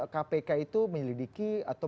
kpk itu menyelidiki atau